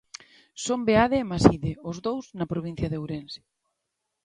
Son Beade e Maside, os dous na provincia de Ourense.